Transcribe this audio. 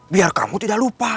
biar kamu tidak lupa